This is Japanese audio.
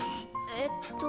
えっと。